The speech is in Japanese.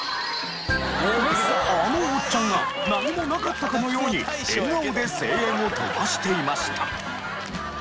あのおっちゃんが何もなかったかのように笑顔で声援を飛ばしていました。